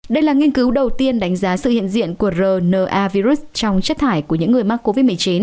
đây là nghiên cứu đầu tiên đánh giá sự hiện diện của rna virus trong chất thải của những người mắc covid một mươi chín